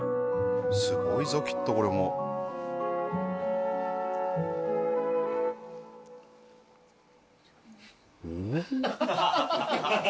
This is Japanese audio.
すごいぞきっとこれも。おっ？